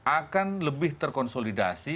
akan lebih terkonsolidasi